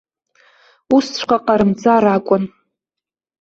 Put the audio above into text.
Усҵәҟьа ҟарымҵар акәын.